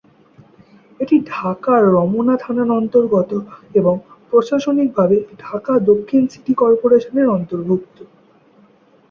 এটি ঢাকার রমনা থানার অন্তর্গত এবং প্রশাসনিকভাবে ঢাকা দক্ষিণ সিটি কর্পোরেশনের অন্তর্ভুক্ত।